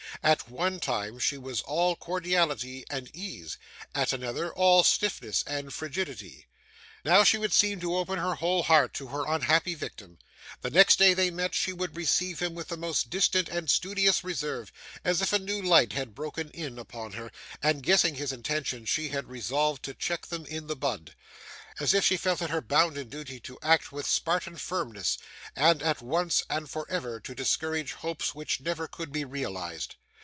At one time, she was all cordiality and ease; at another, all stiffness and frigidity. Now, she would seem to open her whole heart to her unhappy victim; the next time they met, she would receive him with the most distant and studious reserve, as if a new light had broken in upon her, and, guessing his intentions, she had resolved to check them in the bud; as if she felt it her bounden duty to act with Spartan firmness, and at once and for ever to discourage hopes which never could be realised.